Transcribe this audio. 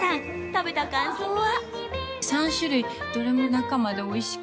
食べた感想は？